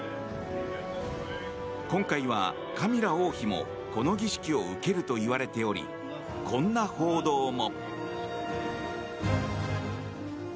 今回はカミラ王妃もこの儀式を受けるといわれておりこんな報道も。